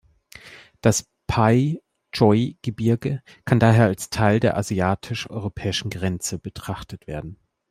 Das Pai-Choi-Gebirge kann daher als Teil der asiatisch-europäischen Grenze betrachtet werden.